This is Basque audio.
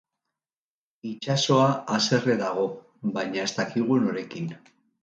Itsasoa haserre dago, baina ez dakigu norekin.